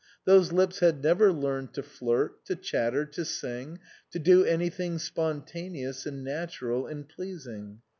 Those lips had never learned to flirt, to chatter, to sing, to do anything spontaneous and natural and pleasing.